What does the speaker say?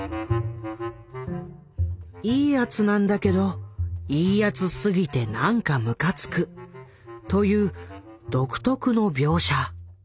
「いいやつ」なんだけど「いいやつ」すぎてなんかむかつくという独特の描写。